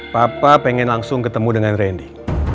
papa pengen langsung ketemu dengan randy